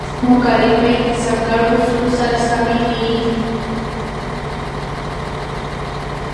مقالې باید د ځانګړو اصولو سره سمې وي.